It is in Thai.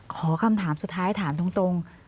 ขอคำถามสุดท้ายถามตรง